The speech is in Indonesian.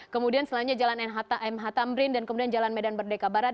kemudian selanjutnya jalan mh tamrin dan kemudian jalan medan merdeka barat